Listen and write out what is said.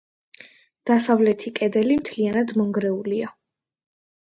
დასავლეთი კედელი მთლიანად მონგრეულია.